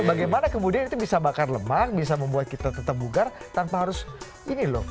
bagaimana kemudian itu bisa bakar lemak bisa membuat kita tetap bugar tanpa harus ini loh